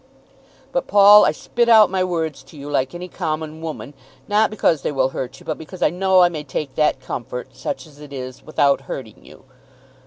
"But, Paul, I spit out my words to you, like any common woman, not because they will hurt you, but because I know I may take that comfort, such as it is, without hurting you.